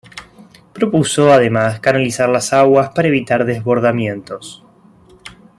Propuso además canalizar las aguas para evitar desbordamientos.